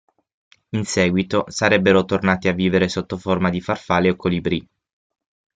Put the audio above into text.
In seguito, sarebbero tornati a vivere sotto forma di farfalle o colibrì.